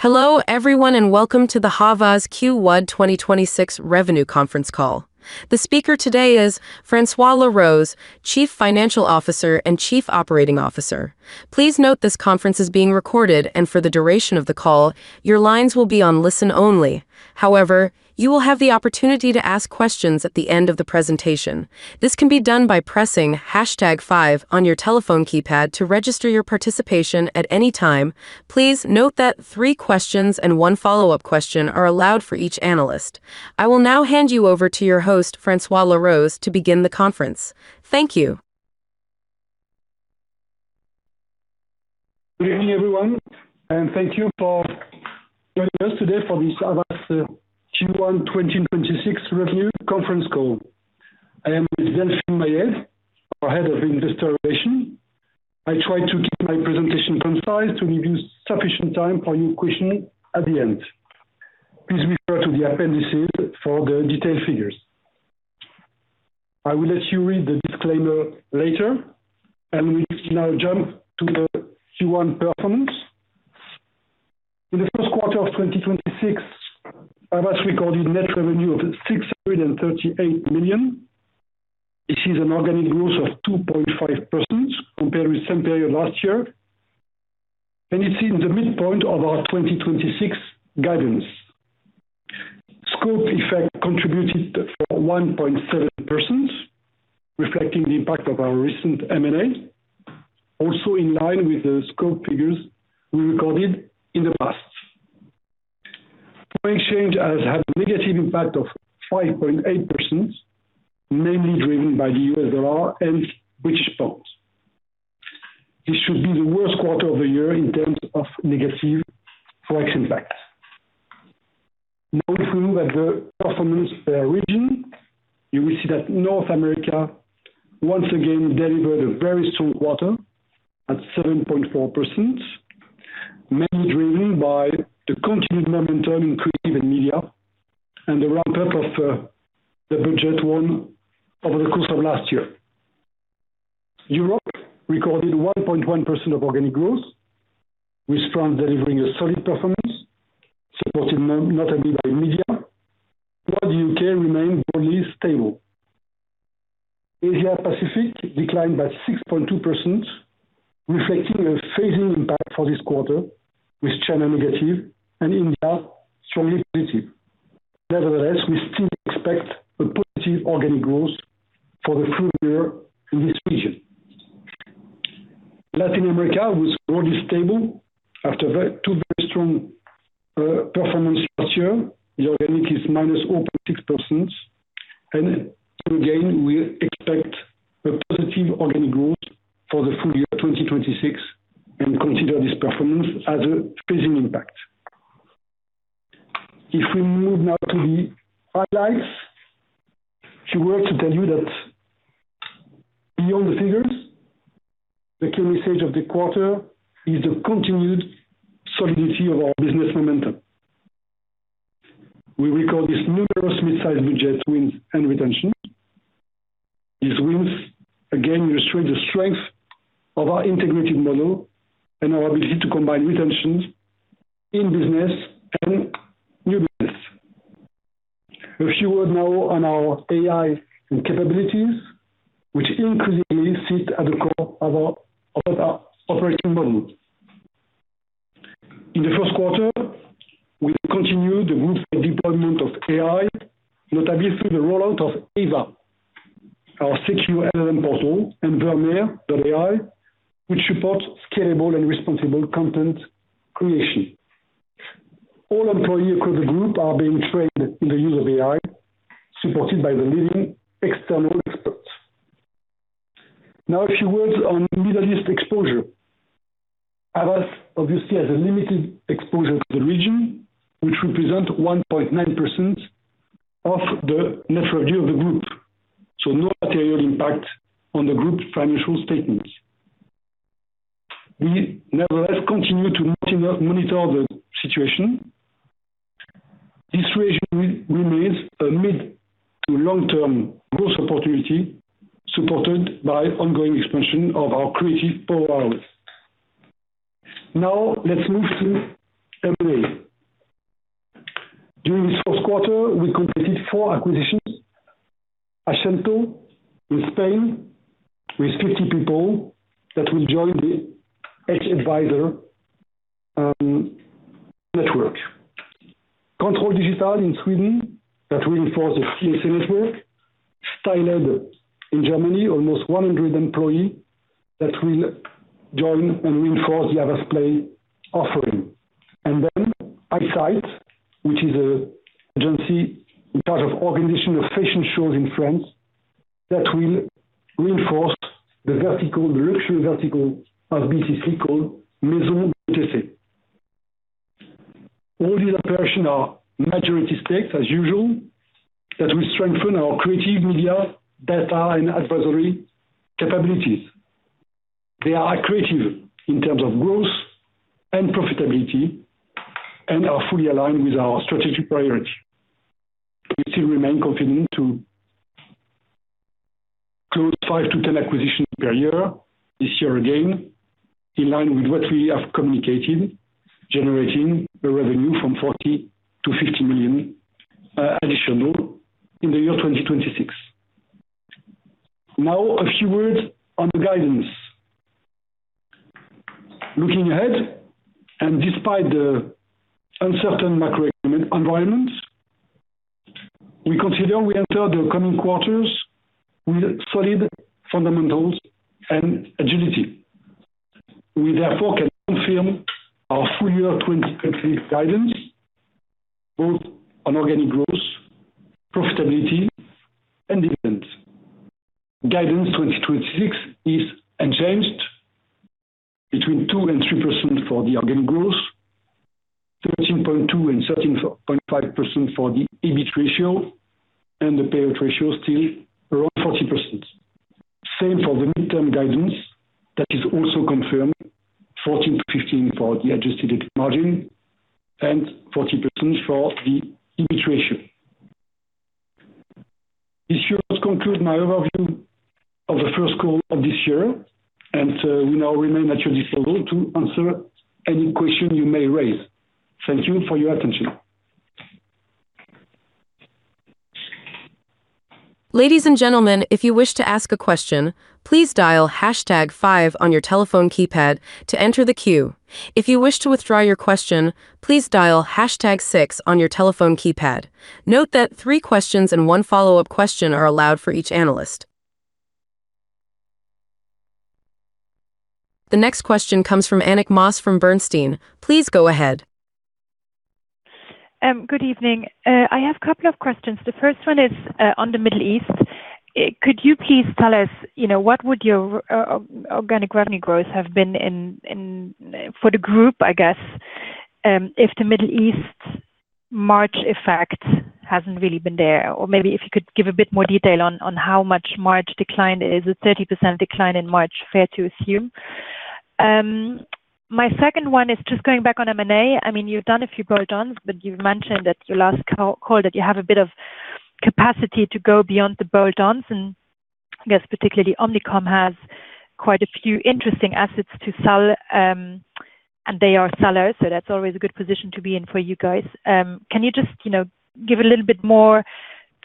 Hello everyone, and welcome to the Havas Q1 2026 Revenue Conference Call. The speaker today is François Laroze, Chief Financial Officer and Chief Operating Officer. Please note this conference is being recorded, and for the duration of the call, your lines will be on listen only. However, you will have the opportunity to ask questions at the end of the presentation. This can be done by pressing hashtag five on your telephone keypad to register your participation at any time. Please note that three questions and one follow-up question are allowed for each analyst. I will now hand you over to your host, François Laroze, to begin the conference. Thank you. Good evening, everyone. Thank you for joining us today for this Havas Q1 2026 Revenue Conference Call. I am Xavier Mayer, our Head of Investor Relations. I try to keep my presentation concise to leave you sufficient time for your questioning at the end. Please refer to the appendices for the detailed figures. I will let you read the disclaimer later. We now jump to the Q1 performance. In the Q1 of 2026, Havas recorded net revenue of 638 million. This is an organic growth of 2.5% compared with the same period last year. It's in the midpoint of our 2026 guidance. Scope effect contributed for 1.7%, reflecting the impact of our recent M&A, also in line with the scope figures we recorded in the past. Foreign exchange has had a negative impact of 5.8%, mainly driven by the U.S. dollar and British pounds. This should be the worst quarter of the year in terms of negative FX impact. Now if we look at the performance per region, you will see that North America once again delivered a very strong quarter at 7.4%, mainly driven by the continued momentum in creative and media and the ramp-up of the budget won over the course of last year. Europe recorded 1.1% of organic growth, with France delivering a solid performance, supported notably by media, while the U.K. remained broadly stable. Asia Pacific declined by 6.2%, reflecting a phasing impact for this quarter, with China negative and India strongly positive. Nevertheless, we still expect a positive organic growth for the full year in this region. Latin America was broadly stable after two very strong performance last year. The organic is -0.6%. Again, we expect a positive organic growth for the full year 2026 and consider this performance as a phasing impact. If we move now to the highlights, a few words to tell you that beyond the figures, the key message of the quarter is the continued solidity of our business momentum. We record these numerous mid-size budget wins and retention. These wins, again, illustrate the strength of our integrated model and our ability to combine retentions in business and new business. A few words now on our AI and capabilities, which increasingly sit at the core of our operating model. In the Q1, we continued the Group's deployment of AI, notably through the rollout of AVA, our secure LLM portal, and Vermeer, which supports scalable and responsible content creation. All employees across the Group are being trained in the use of AI, supported by the leading external experts. Now, a few words on Middle East exposure. Havas obviously has a limited exposure to the region, which represent 1.9% of the net revenue of the Group, so no material impact on the Group's financial statements. We nevertheless continue to monitor the situation. This region remains a mid- to long-term growth opportunity, supported by ongoing expansion of our creative powerhouses. Now let's move to M&A. During this Q1, we completed four acquisitions. Acento in Spain with 50 people that will join the H/Advisors network. Ctrl Digital in Sweden, that reinforce the key network. Styleheads in Germany, almost 100 employees that will join and reinforce the Havas Play offering. Eyesight, which is a agency part of organization of fashion shows in France that will reinforce the luxury vertical of BETC called Maison BETC. All these operations are majority stakes as usual that will strengthen our creative media, data, and advisory capabilities. They are accretive in terms of growth and profitability and are fully aligned with our strategic priority. We still remain confident to close five-ten acquisitions per year this year again, in line with what we have communicated, generating a revenue from 40 million-50 million additional in the year 2026. Now, a few words on the guidance. Looking ahead, and despite the uncertain macro environment, we consider we enter the coming quarters with solid fundamentals and agility. We therefore can confirm our full year 2026 guidance, both on organic growth, profitability, and EBIT. Guidance 2026 is unchanged between 2% and 3% for the organic growth, 13.2%-13.5% for the EBIT ratio, and the payout ratio still around 40%. Same for the midterm guidance that is also confirmed, 14%-15% for the adjusted EBIT margin and 40% for the EBIT ratio. This concludes my overview of the first call of this year, and we now remain at your disposal to answer any question you may raise. Thank you for your attention. Ladies and gentlemen, if you wish to ask a question, please dial hashtag five on your telephone keypad to enter the queue. If you wish to withdraw your question, please dial hashtag six on your telephone keypad. Note that three questions and one follow-up question are allowed for each analyst. The next question comes from Annick Maas from Bernstein. Please go ahead. Good evening. I have a couple of questions. The first one is on the Middle East. Could you please tell us what would your organic revenue growth have been for the group, I guess, if the Middle East March effect hasn't really been there? Maybe if you could give a bit more detail on how much March decline it is. Is 30% decline in March fair to assume? My second one is just going back on M&A. You've done a few bolt-ons, but you've mentioned at your last call that you have a bit of capacity to go beyond the bolt-ons, and I guess particularly Omnicom has quite a few interesting assets to sell, and they are sellers, so that's always a good position to be in for you guys. Can you just give a little bit more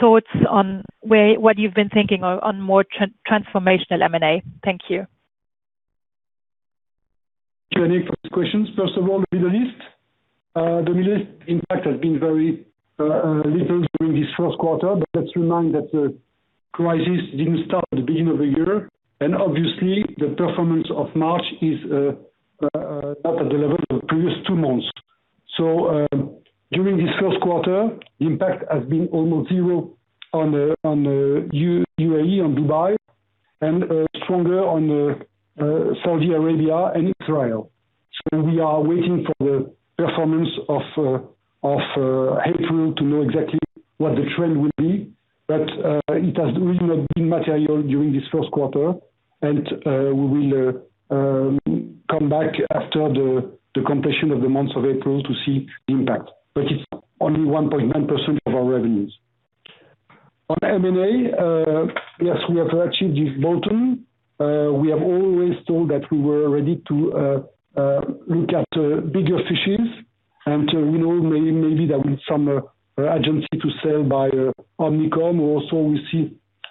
thoughts on what you've been thinking on more transformational M&A? Thank you. Thank you, Annick, for these questions. First of all, the Middle East. The Middle East impact has been very little during this Q1. Let's remind that the crisis didn't start at the beginning of the year. Obviously, the performance of March is not at the level of the previous two months. During this Q1, the impact has been almost zero on the UAE, on Dubai, and stronger on Saudi Arabia and Israel. We are waiting for the performance of April to know exactly what the trend will be. It has really not been material during this Q1. We will come back after the completion of the months of April to see the impact, but it's only 1.9% of our revenues. On M&A, yes, we have achieved this bolt-on. We have always told that we were ready to look at bigger fishes, and we know maybe there will some agency to sell by Omnicom. Also,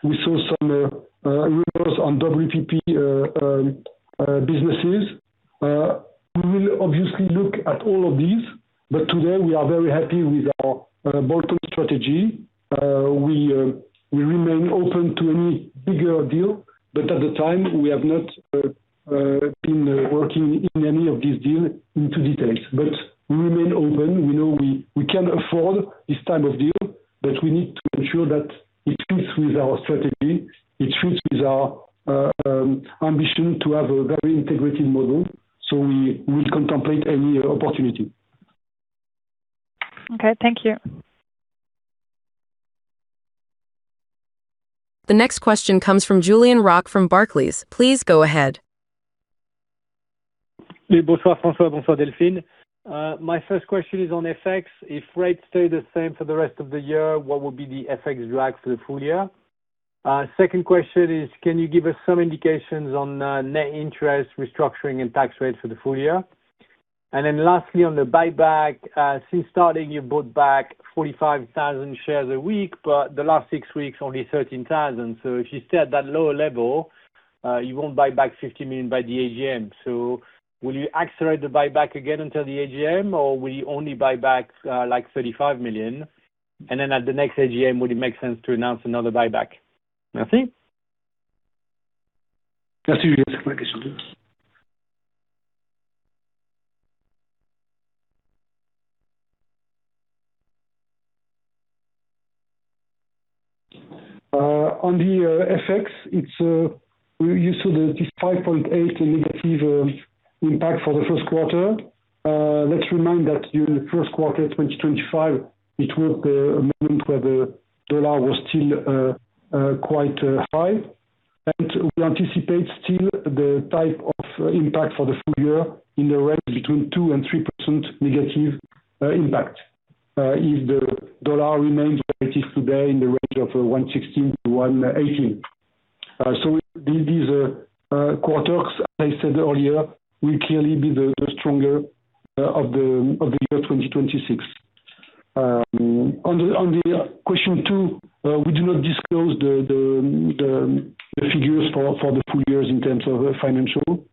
we saw some rumours on WPP businesses. We will obviously look at all of these, but today we are very happy with our bolt-on strategy. We remain open to any bigger deal, but at the time, we have not been working in any of these deal into details. We remain open. We know we can afford this type of deal, but we need to ensure that it fits with our strategy, it fits with our ambition to have a very integrated model. We will contemplate any opportunity. Okay. Thank you. The next question comes from Julien Roch from Barclays. Please go ahead. My first question is on FX. If rates stay the same for the rest of the year, what will be the FX drag for the full year? Second question is, can you give us some indications on net interest, restructuring, and tax rates for the full year? Lastly, on the buyback, since starting, you bought back 45,000 shares a week, but the last six weeks, only 13,000. If you stay at that lower level, you won't buy back 50 million by the AGM. Will you accelerate the buyback again until the AGM, or will you only buy back, like, 35 million? At the next AGM, would it make sense to announce another buyback? Mayer. Let's do your second question first. On the FX, you saw this 5.8% negative impact for the Q1. Let's remind that during the Q1 2025, it was a moment where the dollar was still quite high. We anticipate still the type of impact for the full year in the range between 2% and 3% negative impact. If the dollar remains where it is today in the range of 1.16-1.18, these quarters, as I said earlier, will clearly be the stronger of the year 2026. On the question two, we do not disclose the figures for the full years in terms of financial.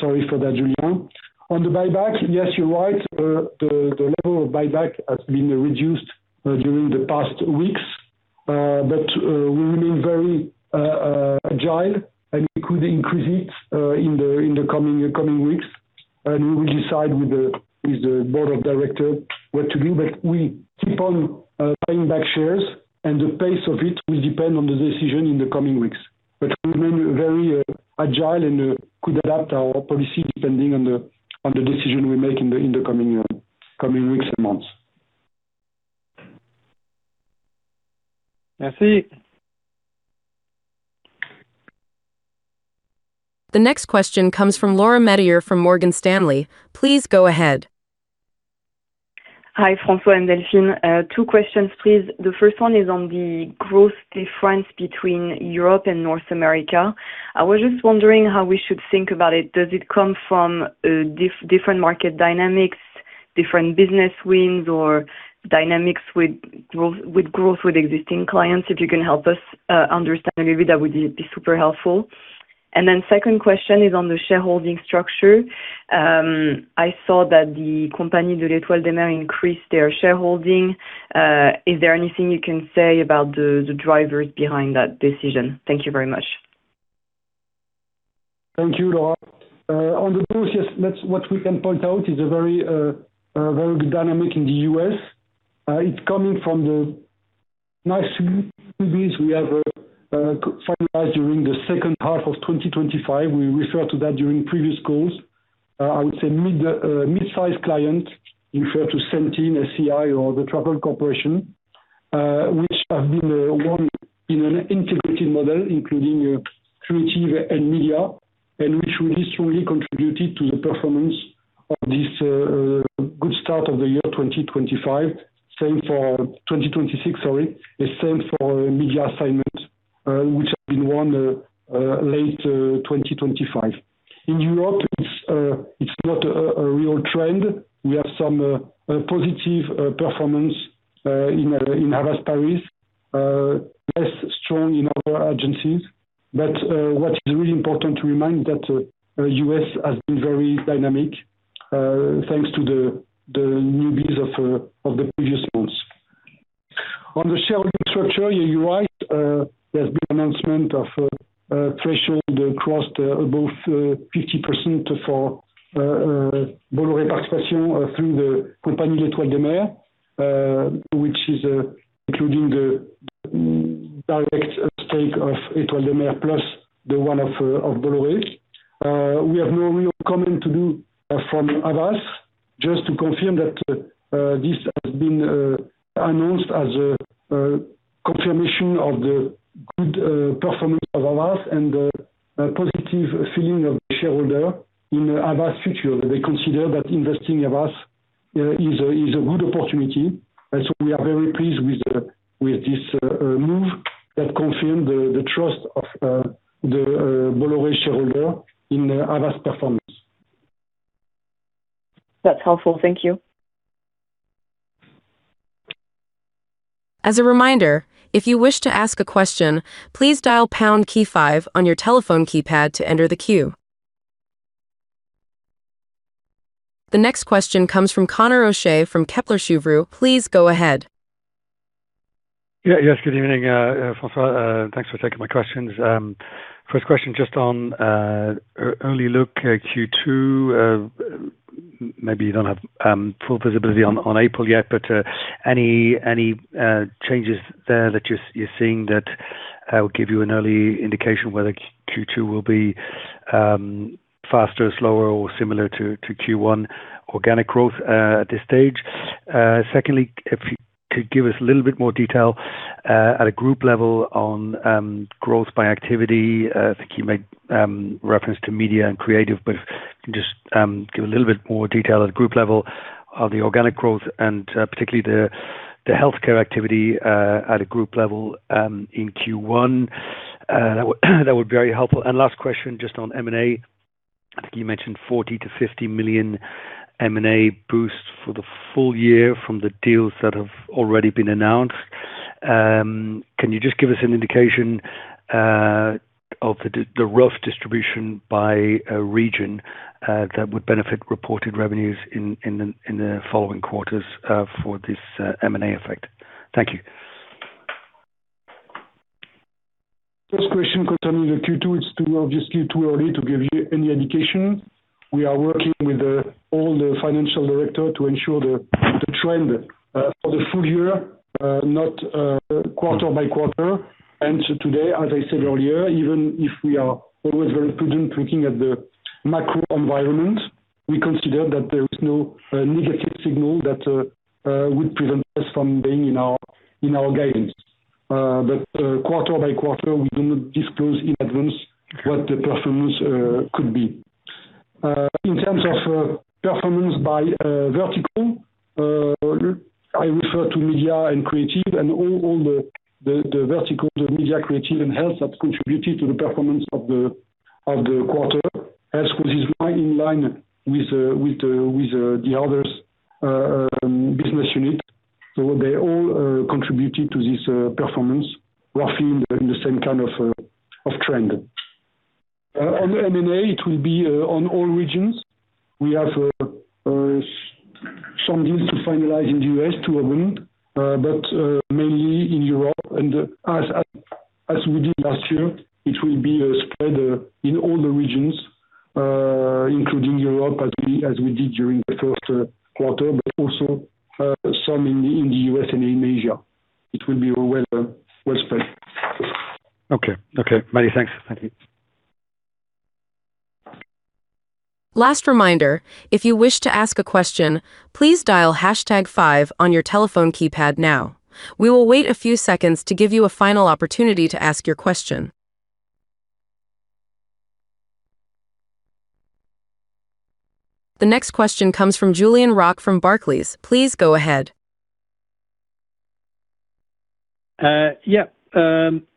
Sorry for that, Julien. On the buyback, yes, you're right. The level of buyback has been reduced during the past weeks, but we remain very agile and we could increase it in the coming weeks. We will decide with the Board of Directors what to do. We keep on buying back shares, and the pace of it will depend on the decision in the coming weeks. We remain very agile and could adapt our policy depending on the decision we make in the coming weeks and months. Thanks. The next question comes from Laura Metayer from Morgan Stanley. Please go ahead. Hi, François and Delphine. Two questions, please. The first one is on the growth difference between Europe and North America. I was just wondering how we should think about it. Does it come from different market dynamics, different business wins, or dynamics with growth with existing clients? If you can help us understand a little bit, that would be super helpful. Second question is on the shareholding structure. I saw that the Compagnie de l'Étoile des Mers increased their shareholding. Is there anything you can say about the drivers behind that decision? Thank you very much. Thank you, Laura. On the growth, yes, what we can point out is a very good dynamic in the U.S. It's coming from the nice new business we have finalized during the H2 of 2025. We referred to that during previous calls. I would say mid-size client, if you refer to Centene, SCI or The Travel Corporation, which have been won in an integrated model including creative and media, and which really strongly contributed to the performance of this good start of the year 2025. Same for 2026, sorry. The same for media assignments, which have been won late 2025. In Europe, it's not a real trend. We have some positive performance in Havas Paris, less strong in other agencies. What's really important to remind that, U.S. has been very dynamic, thanks to the new business of the previous months. On the shareholding structure, you're right. There's been announcement of a threshold crossed above 50% for Bolloré Participations through the Compagnie de l'Étoile des Mers, which is including the direct stake of Étoile des Mers plus the one of Bolloré. We have no real comment to do from Havas, just to confirm that this has been announced as a confirmation of the good performance of Havas and the positive feeling of the shareholder in Havas' future. They consider that investing in Havas is a good opportunity, and so we are very pleased with this move that confirmed the trust of the Bolloré shareholder in Havas' performance. That's helpful. Thank you. As a reminder, if you wish to ask a question, please dial pound key five on your telephone keypad to enter the queue. The next question comes from Conor O'Shea from Kepler Cheuvreux. Please go ahead. Yes, good evening, François. Thanks for taking my questions. First question, just on early look at Q2, maybe you don't have full visibility on April yet, but any changes there that you're seeing that will give you an early indication whether Q2 will be faster or slower or similar to Q1 organic growth at this stage? Secondly, if you could give us a little bit more detail at a Group level on growth by activity, I think you made reference to Media and Creative, but if you can just give a little bit more detail at the Group level of the organic growth and particularly the healthcare activity at a Group level in Q1, that would be very helpful. Last question, just on M&A, I think you mentioned 40 million-50 million M&A boost for the full year from the deals that have already been announced. Can you just give us an indication of the rough distribution by region that would benefit reported revenues in the following quarters for this M&A effect? Thank you. First question concerning the Q2, it's obviously too early to give you any indication. We are working with all the Financial Director to ensure the trend for the full year, not quarter-by-quarter. Today, as I said earlier, even if we are always very prudent looking at the macro environment, we consider that there is no negative signal that would prevent us from being in our guidance. Quarter-by-quarter, we do not disclose in advance what the performance could be. In terms of performance by vertical, I refer to Media and Creative and all the verticals of Media, Creative, and Health that contributed to the performance of the quarter, as was right in line with the others business unit. They all contributed to this performance, roughly in the same kind of trend. On M&A, it will be on all regions. We have some deals to finalize in the U.S. to announce, but mainly in Europe. As we did last year, it will be spread in all the regions, including Europe, as we did during the Q1, but also some in the U.S. and in Asia. It will be well spread. Okay. Many thanks. Thank you. Last reminder, if you wish to ask a question, please dial hashtag five on your telephone keypad now. We will wait a few seconds to give you a final opportunity to ask your question. The next question comes from Julien Roch from Barclays. Please go ahead. Yeah.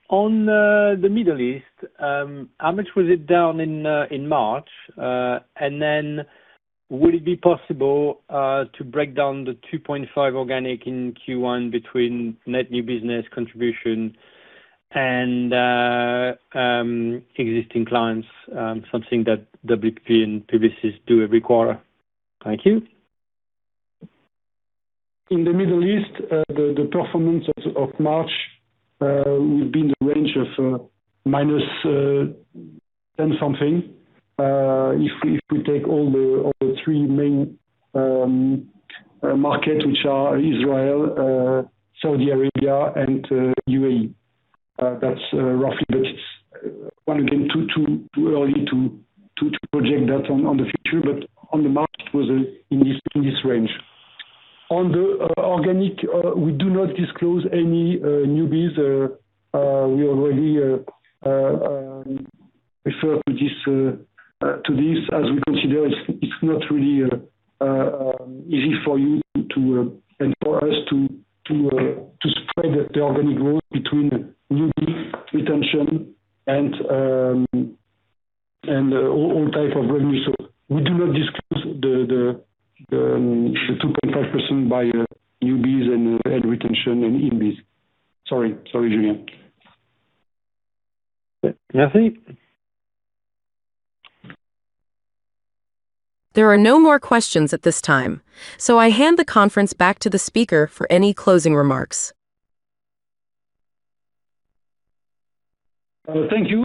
On the Middle East, how much was it down in March? Would it be possible to break down the 2.5% organic in Q1 between net new business contribution and existing clients, something that WPP and Publicis do every quarter? Thank you. Middle East, the performance of March will be in the range of -10 something. If we take all three main markets, which are Israel, Saudi Arabia, and the U.A.E., that's roughly, it's once again too early to project that on the future, the market was in this range. On the organic, we do not disclose any new biz. We already refer to this as we consider it's not really easy for you and for us to spread the organic growth between new biz, retention, and all type of revenue. we do not disclose the 2.5% by new biz and retention and net wins. Sorry, Julien. Merci. There are no more questions at this time, so I hand the conference back to the speaker for any closing remarks. Thank you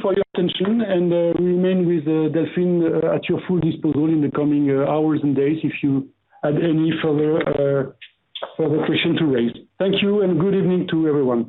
for your attention, and we remain with Delphine at your full disposal in the coming hours and days if you had any further questions to raise. Thank you and good evening to everyone.